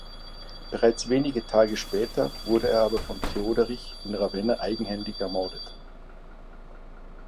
Bereits wenige Tage später wurde er aber von Theoderich in Ravenna eigenhändig ermordet.